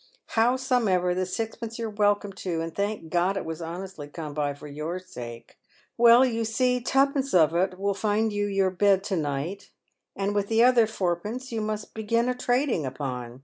Howsomever, the sixpence you're welcome to, and thank Grod it was honestly come by for your sake. Well, you see, twopence of it will find your bed to night, and with the other fourpence you must begin a trading upon.